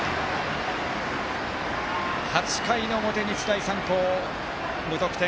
８回の表、日大三高、無得点。